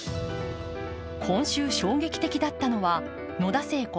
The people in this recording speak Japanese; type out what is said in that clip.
今週、衝撃的だったのは野田聖子